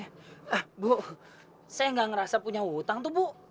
eh bu saya gak ngerasa punya utang tuh bu